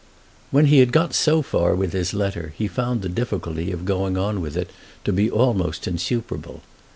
When he had got so far with his letter he found the difficulty of going on with it to be almost insuperable.